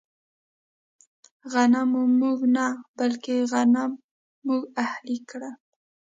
غنمو موږ نه، بلکې غنم موږ اهلي کړل.